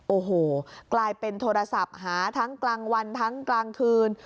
โอ้โหกลายเป็นโทรศัพท์หาทั้งกลางวันทั้งกลางคืน